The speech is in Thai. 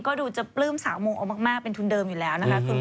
ก็ดูจะปลื้มสาวโมเอามากเป็นทุนเดิมอยู่แล้วนะคะ